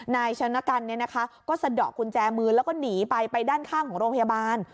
นายชนะกันก็สะดอกกุญแจมือแล้วก็หนีไปไปด้านข้างของโรงพยาบาล